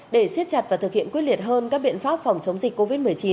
để siết chặt và thực hiện quyết liệt hơn các biện pháp phòng chống dịch covid một mươi chín